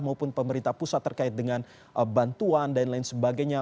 maupun pemerintah pusat terkait dengan bantuan dan lain sebagainya